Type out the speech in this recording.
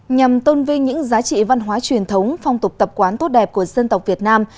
nhằm tôn vinh những giá trị văn hóa truyền thống phong tục tập quán tốt đẹp của dân tộc việt nam